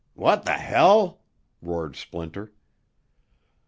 "Wha' th' hell?" roared Splinter.